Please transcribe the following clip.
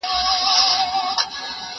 دوی چي ول دا شی به ګران وي